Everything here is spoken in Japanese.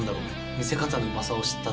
「見せ方のうまさを知った」。